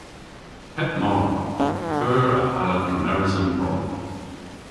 Heb mar. P'eur a allav kemeres an prov?